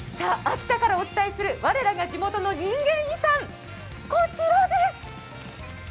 秋田からお伝えする「我らが地元の人間遺産」こちらです！